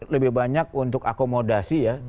lebih banyak untuk akomodasi ya